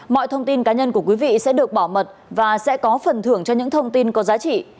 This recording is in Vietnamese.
mọi thông tin cá nhân của quý vị sẽ được bảo mật và sẽ có phần thưởng cho những thông tin có giá trị